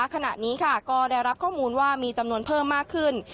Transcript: ขณะนี้ก็ได้รับข้อมูลว่ามีจำนวนเพิ่มมากขึ้น